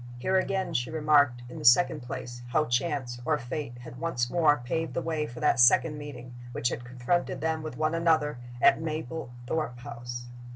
Here again she remarked, in the second place, how Chance, or Fate, had once more paved the way for that second meeting which had confronted them with one another at Mablethorpe House.